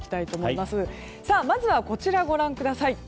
まずはこちら、ご覧ください。